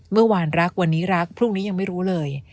เมื่อวานรักวันนี้รักพรุ่งนี้ยังไม่รู้เลย